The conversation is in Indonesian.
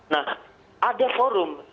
nah ada forum